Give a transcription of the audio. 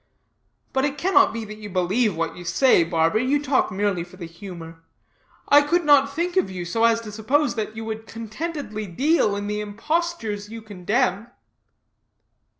But it cannot be that you believe what you say, barber; you talk merely for the humor. I could not think so of you as to suppose that you would contentedly deal in the impostures you condemn."